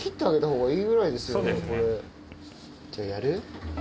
じゃあやる？